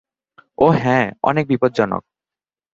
ও হ্যাঁ, অনেক বিপদজনক।